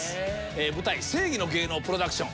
舞台『正偽の芸能プロダクション』。